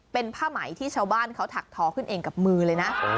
เป็นผ้าไหมที่ชาวบ้านเขาถักทอขึ้นเองกับมือเลยนะ